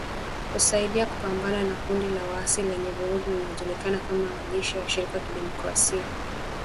Kusaidia kupambana na kundi la waasi lenye vurugu linalojulikana kama majeshi ya washirika wakidemokrasia uingiliaji mkubwa zaidi wa kigeni nchini Kongo